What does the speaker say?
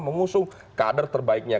mengusung kader terbaiknya